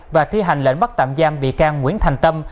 và thi hành lệnh bắt tạm giam bị can nguyễn thành tâm